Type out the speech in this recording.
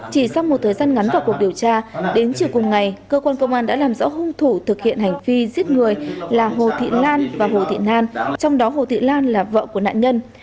chỉ sau một thời gian ngắn vào cuộc điều tra đến chiều cùng ngày cơ quan công an đã làm rõ hung thủ thực hiện hành vi giết người là hồ thị lan và hồ thị nan trong đó hồ thị lan là vợ của nạn nhân